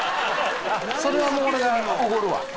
それは俺がおごるわ。